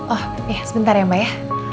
oh iya sebentar ya mbak ya